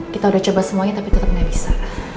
kita udah coba semuanya tapi tetep gak bisa